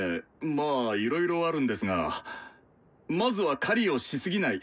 まあいろいろあるんですがまずは「狩りをしすぎない」。